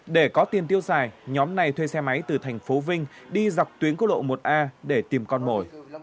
để có tiền tiêu xài nhóm này thuê xe máy từ thành phố vinh đi dọc tuyến quốc lộ một a để tìm con mồi